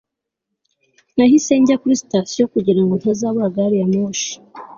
nahise njya kuri sitasiyo kugira ngo ntazabura gari ya moshi